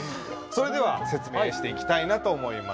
それでは説明していきたいなと思います。